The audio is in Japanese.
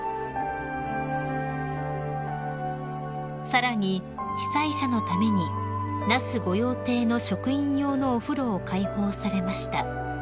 ［さらに被災者のために那須御用邸の職員用のお風呂を開放されました］